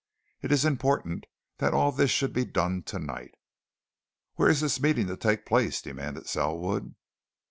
"It is important that all this should be done tonight." "Where is this meeting to take place?" demanded Selwood.